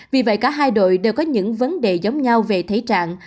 vì vậy cả hai đội đều có những vấn đề giống nhau về thế trạng